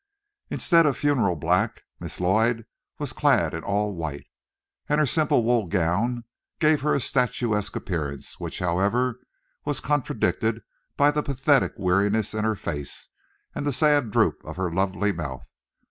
Instead of funereal black, Miss Lloyd was clad all in white, and her simple wool gown gave her a statuesque appearance; which, however, was contradicted by the pathetic weariness in her face and the sad droop of her lovely mouth.